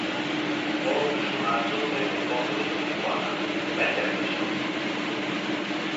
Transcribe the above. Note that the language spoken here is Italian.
Un nuovo personaggio prende il posto di capo squadra: Matt Anderson.